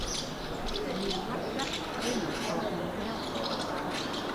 Cái miệng loách choách hay nói toạc móng heo